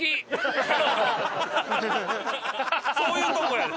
そういうとこやで。